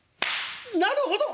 「なるほど！